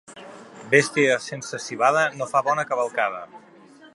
Bèstia sense civada no fa bona cavalcada.